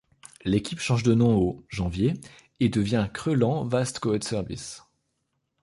L'équipe change de nom au janvier et devient Crelan-Vastgoedservice.